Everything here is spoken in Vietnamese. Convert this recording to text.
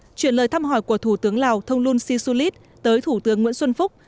chuyển lời thăm hỏi của thủ tướng lào thông luân si su lít tới thủ tướng nguyễn xuân phúc